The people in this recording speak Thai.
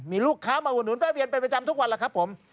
มีลูกค้ามาหุ่นหุ่นและเวียนไปประจำทุกวันล่ะครับผม